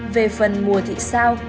về phần mùa thị sao